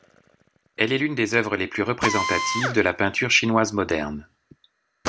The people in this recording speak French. Elle est l'une des œuvres les plus représentatives de la peinture chinoise moderne.